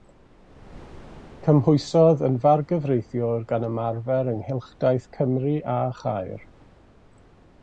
Cymhwysodd yn fargyfreithiwr gan ymarfer yng Nghylchdaith Cymru a Chaer.